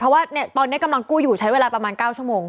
เพราะว่าตอนนี้กำลังกู้อยู่ใช้เวลาประมาณ๙ชั่วโมง